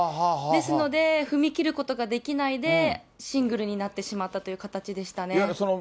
ですので踏み切ることができないで、シングルになってしまったという形でしたね。